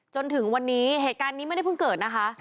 จนถึงวันนี้เหตุการณ์นี้ไม่ได้เพิ่งเกิดนะคะ